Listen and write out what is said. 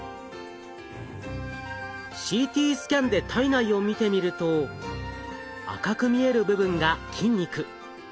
ＣＴスキャンで体内を見てみると赤く見える部分が筋肉。